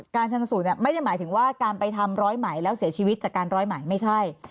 ชนสูตรไม่ได้หมายถึงว่าการไปทำร้อยไหมแล้วเสียชีวิตจากการร้อยไหมไม่ใช่